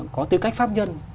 có tư cách pháp nhân